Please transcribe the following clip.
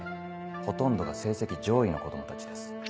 ほとんどが成績上位の子供たちです。